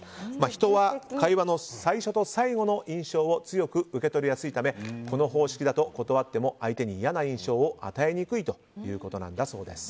人は会話の最初と最後の印象を強く受け取りやすいためこの方式だと、断っても相手に嫌な印象を与えにくいということなんだそうです。